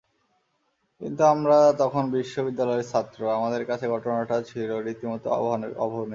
কিন্তু আমরা তখন বিশ্ববিদ্যালয়ের ছাত্র, আমাদের কাছে ঘটনাটা ছিল রীতিমতো অভাবনীয়।